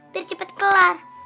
biar cepet kelar